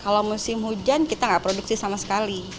kalau musim hujan kita nggak produksi sama sekali